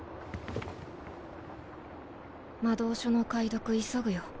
魔導書の解読急ぐよ。